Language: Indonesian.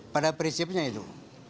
pada prinsipnya itu